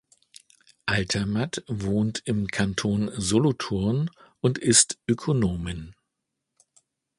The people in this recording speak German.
Altermatt wohnt im Kanton Solothurn und ist Ökonomin.